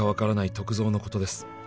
篤蔵のことです」